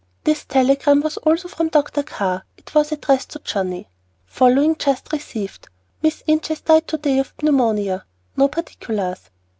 This telegram was also from Dr. Carr. It was addressed to Johnnie, Following just received: "Miss Inches died to day of pneumonia." No particulars.